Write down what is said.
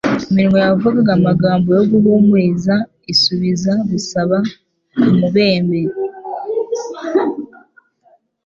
Iminwa yavugaga amagambo yo guhumuriza isubiza gusaba k'umubembe